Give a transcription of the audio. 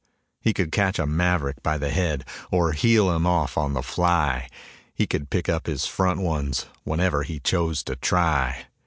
He could catch a maverick by the head Or heel him on the fly, He could pick up his front ones Whenever he chose to try.